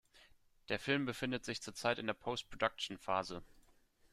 Der Film befindet sich zurzeit in der Post-Production-Phase.